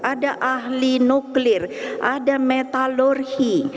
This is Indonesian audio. ada ahli nuklir ada metalurhi